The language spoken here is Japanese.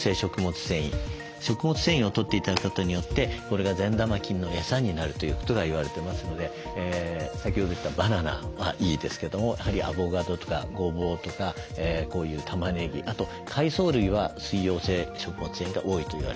食物繊維をとって頂くことによってこれが善玉菌のエサになるということが言われてますので先ほど言ったバナナはいいですけどもやはりアボカドとかごぼうとかこういうたまねぎあと海藻類は水溶性食物繊維が多いと言われてます。